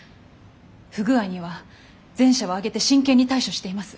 不具合には全社を挙げて真剣に対処しています。